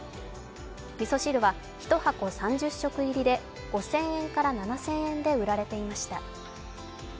みそ汁は１箱３０食入りで５０００円から７０００円で売られていました。